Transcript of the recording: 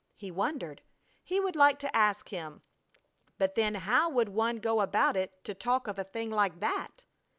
he wondered. He would like to ask him, but then how would one go about it to talk of a thing like that?